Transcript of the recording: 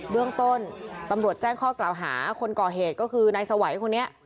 เรื่องต้นตำรวจแจ้งข้อกล่าวหาคนก่อเหตุก็คือนายสวัยคนนี้